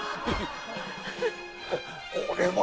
ここれは！